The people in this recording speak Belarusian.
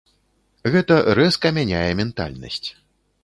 Гэта рэзка мяняе ментальнасць.